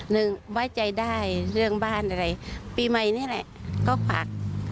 หนึ่งไว้ใจได้เรื่องบ้านอะไรปีใหม่นี่แหละก็ฝาก